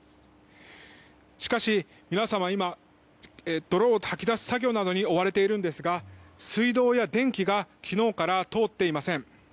しかし、皆様今は泥をかき出す作業に追われているんですが水道や電気が昨日から通っていません。